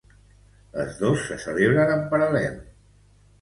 Les dos se celebren en paral·lel.